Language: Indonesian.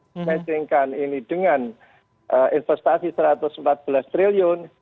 messingkan ini dengan investasi rp satu ratus empat belas triliun